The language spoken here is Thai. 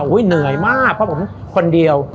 เหนื่อยมากเพราะผมคนเดียว